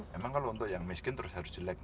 memang kalau untuk yang miskin terus harus jelek